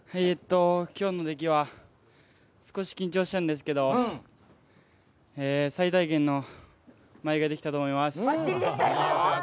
今日の出来は少し緊張したんですけど最大限の舞ができたと思います。